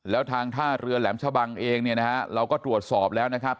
แล้วทางท่าเรือแหลมชะบังเองเนี่ยนะฮะเราก็ตรวจสอบแล้วนะครับ